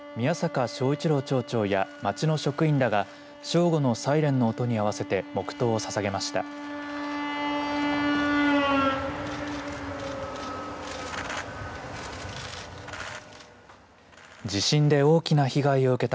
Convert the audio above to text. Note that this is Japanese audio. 市朗町長や町の職員らが正午のサイレンの音にあわせて黙とうをささげました。